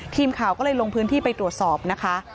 ทีมข่าวก็เลยลงพื้นที่ไปตรวจสอบนะคะ